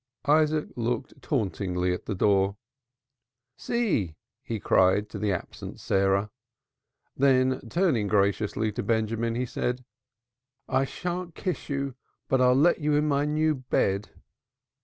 Isaac looked tauntingly at the door. "See!" he cried to the absent Sarah. Then turning graciously to Benjamin he said, "I thant kiss oo, but I'll lat oo teep in my new bed."